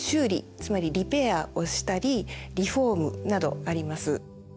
つまりリペアをしたりリフォームなどあります。